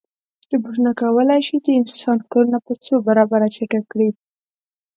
روبوټونه کولی شي د انسان کارونه په څو برابره چټک کړي.